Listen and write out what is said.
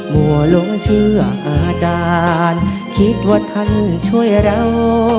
บัวหลงเชื่ออาจารย์คิดว่าท่านช่วยเรา